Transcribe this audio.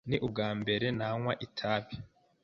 Ni ubwambere nanywa itabi.